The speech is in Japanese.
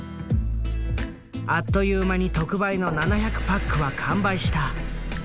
あっという間に特売の７００パックは完売した。